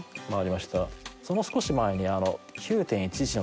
その少し前に。